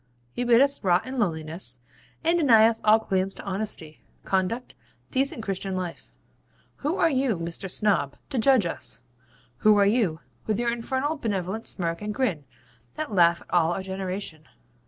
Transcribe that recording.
You bid us rot in loneliness, and deny us all claims to honesty, conduct, decent Christian life. Who are you, Mr. Snob, to judge us. Who are you, with your infernal benevolent smirk and grin, that laugh at all our generation?